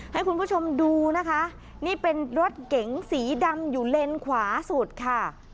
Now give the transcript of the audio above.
ให้คุณผู้ชมดูนะคะนี่เป็นรถเก๋งสีดำอยู่เลนขวาสุดค่ะ